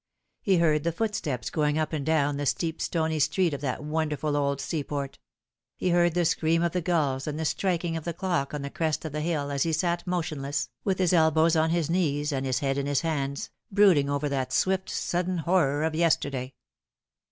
He heard the footsteps going up and down the steep stony street of that wonderful old seaport ; he heard the scream of the gulls and the striking of th clock on the crest of the hill as he sat motionless, with his elbows 276 The Fatal Three. on his knees, and his head in his hands, brooding over that swift sudden horror of yesterday.